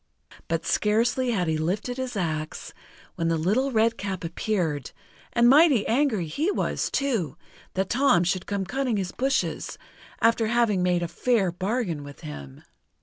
But scarcely had he lifted his axe, when the Little Redcap appeared, and mighty angry he was, too, that Tom should come cutting his bushes, after having made a fair bargain with him.